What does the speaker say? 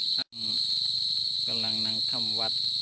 กำลังนั่งทำวัด